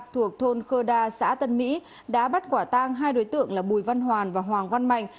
thuộc thôn khơ đa xã tân mỹ đã bắt quả tang hai đối tượng là bùi văn hoàn và hoàng văn mạnh